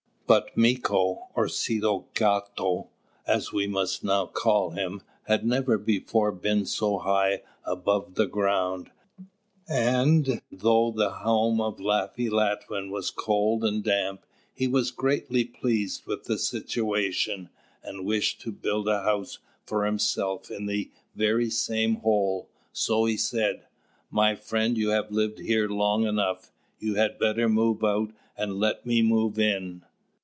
But Mīko, or Set cāto, as we must now call him, had never before been so high above the ground; and though the home of Laffy Latwin was cold and damp, he was greatly pleased with the situation, and wished to build a house for himself in the very same hole, so he said: "My friend, you have lived here long enough. You had better move out, and let me move in."